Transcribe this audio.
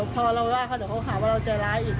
พอเราว่าเขาเดี๋ยวเขาหาว่าเราใจร้ายอีก